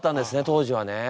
当時はね。